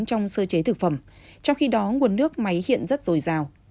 trong sơ chế thực phẩm trong khi đó nguồn nước máy hiện rất dồi dào